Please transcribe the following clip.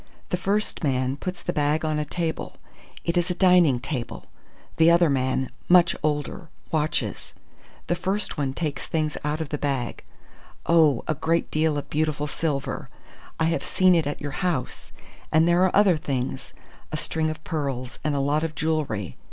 The first man puts the bag on a table; it is a dining table. The other man much older watches. The first one takes things out of the bag. Oh, a great deal of beautiful silver! I have seen it at your house. And there are other things a string of pearls and a lot of jewellery.